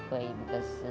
saya mengaku itu